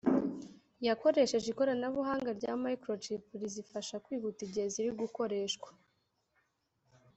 yakoresheje ikoranabuhanga rya “Microchip” rizifasha kwihuta igihe ziri gukoreshwa